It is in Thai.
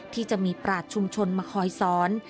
ที่จะมีปราชชุมชนมาคอยสอน